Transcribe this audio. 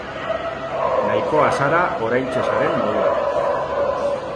Nahikoa zara oraintxe zaren moduan.